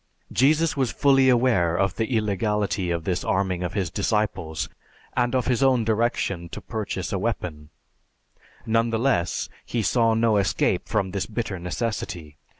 Jesus was fully aware of the illegality of this arming of his disciples and of his own direction to purchase a weapon; none the less, he saw no escape from this bitter necessity.